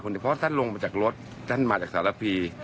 เพราะท่านลงมาจากรถท่านมาจากสารพี